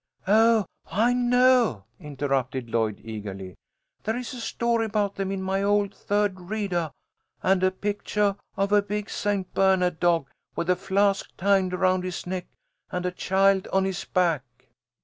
"Oh, I know," interrupted Lloyd, eagerly. "There is a story about them in my old third readah, and a pictuah of a big St. Bernard dog with a flask tied around his neck, and a child on his back."